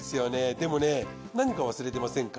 でもね何か忘れてませんか？